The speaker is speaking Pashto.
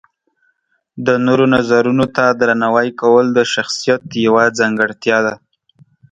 د نورو نظرونو ته درناوی کول د شخصیت یوه ځانګړتیا ده.